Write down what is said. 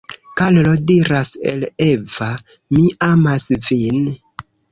Karlo diras al Eva: Mi amas vin.